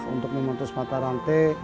untuk memutus mata nanti